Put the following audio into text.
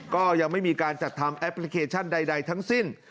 ก็ยังไม่มีการจัดทำแอปพลิเคชันใดทั้งสิ้น